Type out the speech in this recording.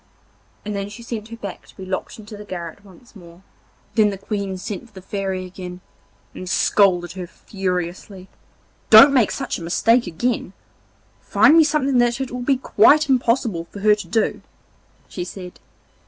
And then she sent her back to be locked into the garret once more. Then the Queen sent for the Fairy again and scolded her furiously. 'Don't make such a mistake again; find me something that it will be quite impossible for her to do,' she said.